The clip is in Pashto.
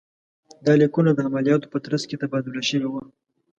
دا لیکونه د عملیاتو په ترڅ کې تبادله شوي وو.